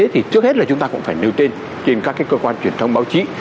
thì trước hết là chúng ta cũng phải nêu tên trên các cái cơ quan truyền thông báo chí